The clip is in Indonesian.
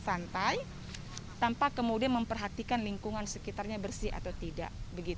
santai tanpa kemudian memperhatikan lingkungan sekitarnya bersih atau tidak